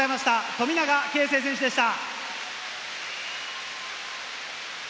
富永啓生選手でした。